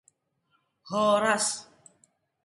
Ceritakan padaku.